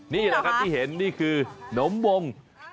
นี่แหละครับที่เห็นนี่คือหนมวง